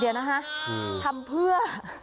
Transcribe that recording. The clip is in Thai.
เดี๋ยวนะคะทำเพื่อ